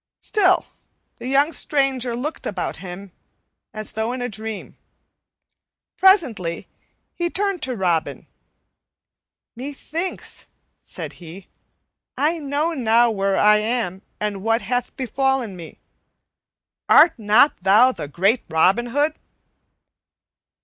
Still the young stranger looked about him, as though in a dream. Presently he turned to Robin. "Methinks," said he, "I know now where I am and what hath befallen me. Art not thou the great Robin Hood?"